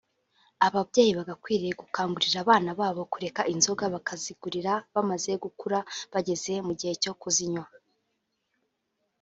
Ababyeyi bagakwiye gukangurira abana babo kureka inzoga bakazazigurira bamaze gukura bageze mu gihe cyo kuzinywa